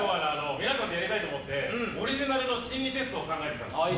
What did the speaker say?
皆さんとやりたいと思ってオリジナルの心理テストを考えてきたんです。